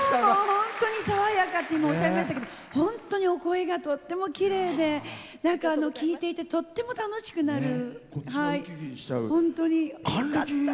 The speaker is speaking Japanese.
本当に爽やかって今おっしゃいましたけど本当にお声がとってもきれいで聴いていてとっても楽しくなる。